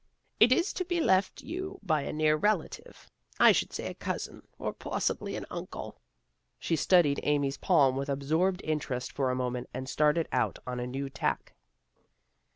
It is to be left you by a near relative. I should say a cousin, or possibly an uncle." She studied Amy's palm with absorbed interest for a moment and started out on a new tack.